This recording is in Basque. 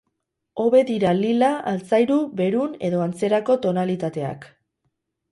Hobe dira lila, altzairu, berun edo antzerako tonalitateak.